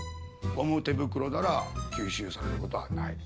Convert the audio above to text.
ゴム手袋なら吸収される事はない。